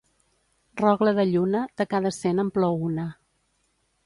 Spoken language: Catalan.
Rogle de lluna, de cada cent en plou una.